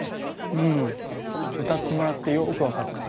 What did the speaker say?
うん歌ってもらってよく分かった。